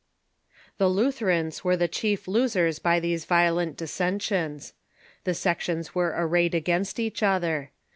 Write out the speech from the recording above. The Lutherans Avere the chief losers by these violent dissen sions. The sections were arrayed against each other.